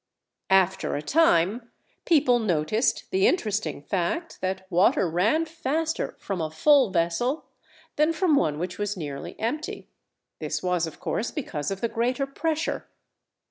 After a time, people noticed the interesting fact that water ran faster from a full vessel than from one which was nearly empty; this was, of course, because of the greater pressure.